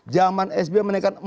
zaman sbm menaikkan empat seratus